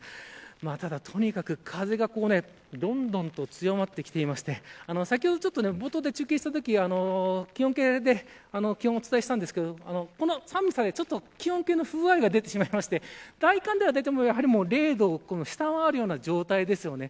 ただとにかく、風がどんどん強まってきていて先ほど冒頭で中継したときは気温計で気温をお伝えしましたがこの寒さで気温計の不具合が出まして体感では０度を下回るような状態です。